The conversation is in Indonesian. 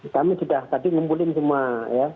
kami sudah tadi ngumpulin semua ya